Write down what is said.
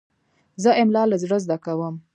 زه املا له زړه زده کوم.